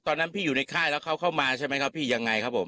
ตอนนั้นพี่อยู่ในค่ายแล้วเขาเข้ามาใช่ไหมครับพี่ยังไงครับผม